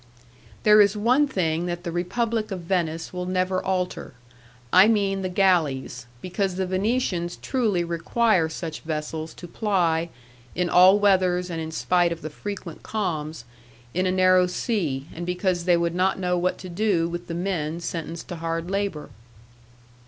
There is one thing that the Republic of Venice will never alter: I mean the galleys, because the Venetians truly require such vessels to ply, in all weathers and in spite of the frequent calms, in a narrow sea, and because they would not know what to do with the men sentenced to hard labour.